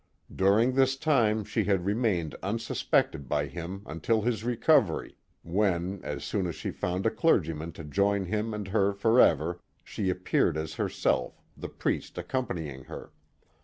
During this time she had re mained unsuspected by him uniil hia recovery, when, as soon as she found a clergyman lo join him and her forever, she appeared as heiself, the priest accompanying her.